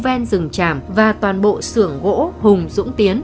bao gồm khu ven rừng chàm và toàn bộ xưởng gỗ hùng dũng tiến